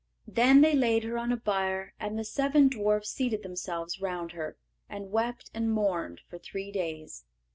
Then they laid her on a bier, and the seven dwarfs seated themselves round her, and wept and mourned for three days.